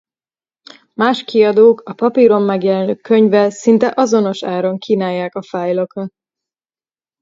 Más kiadók a papíron megjelenő könyvvel szinte azonos áron kínálják a fájlokat.